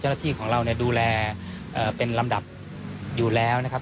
เจ้าหน้าที่ของเราดูแลเป็นลำดับอยู่แล้วนะครับ